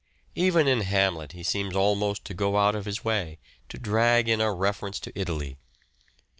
Even in " Hamlet " he seems almost to go out of his way to drag in a reference to Italy.